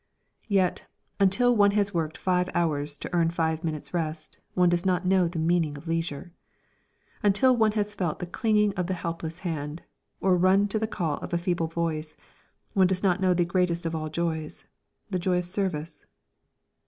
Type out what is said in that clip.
Yet, until one has worked five hours to earn five minutes' rest, one does not know the meaning of leisure. Until one has felt the clinging of the helpless hand, or run to the call of a feeble voice, one does not know the greatest of all joys the joy of service.